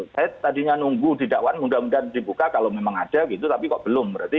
saya tadinya nunggu di dakwaan mudah mudahan dibuka kalau memang ada gitu tapi kok belum berarti